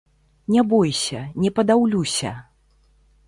Не бойся, не падаўлюся!